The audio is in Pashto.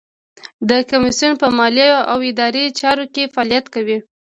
د کمیسیون په مالي او اداري چارو کې فعالیت کوي.